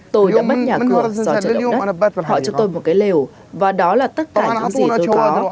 tôi đã mất nhà cửa do trận động đất họ cho tôi một cái lều và đó là tất cả những gì chúng có